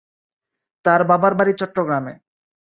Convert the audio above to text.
তার বাবার বাড়ি চট্টগ্রামে।